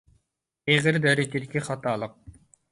ئېغىر دەرىجىدىكى خاتالىق.